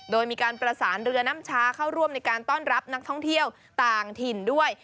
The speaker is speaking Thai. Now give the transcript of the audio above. โดยมีการประสานเรือน้ำชาเข้าร่วมในการต้อนรับนักท่องเที่ยวต่างถิ่นด้วย